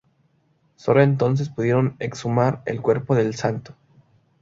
Solo entonces pudieron exhumar el cuerpo del santo.